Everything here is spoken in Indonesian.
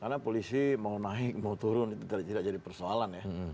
karena polisi mau naik mau turun itu tidak jadi persoalan ya